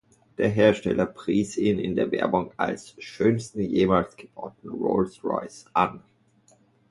Der Hersteller pries ihn in der Werbung als „schönsten jemals gebauten Rolls-Royce“ an.